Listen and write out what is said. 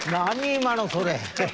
今のそれ。